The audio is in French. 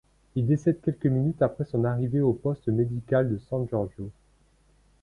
Il décède quelques minutes après son arrivée au poste médical de San Giorgio.